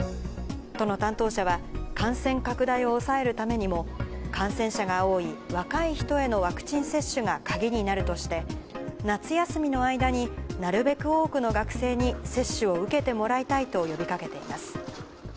都の担当者は、感染拡大を抑えるためにも、感染者が多い若い人へのワクチン接種が鍵になるとして、夏休みの間に、なるべく多くの学生に接種を受けてもらいたいと呼びかけています。